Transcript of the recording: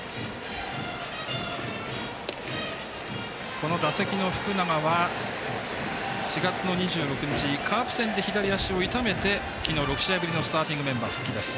この打席の福永は４月の２６日カープ戦で、左足を痛めて昨日６試合ぶりのスターティングメンバー復帰です。